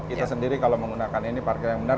kita sendiri kalau menggunakan ini parkir yang benar